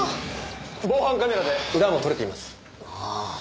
防犯カメラで裏も取れています。